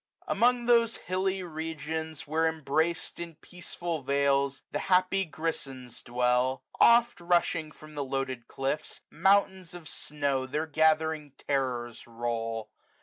Among those hilly regions, where embracM In peaceful vales the happy Grisops dwell; 415 Oft, rushing sudden from the loaded cliffs. Mountains of snow their gathering terrors roll.